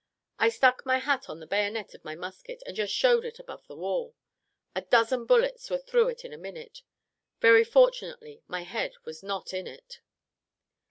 I stuck my hat on the bayonet of my musket, and just showed it above the wall. A dozen bullets were through it in a minute: very fortunately my head was not in it.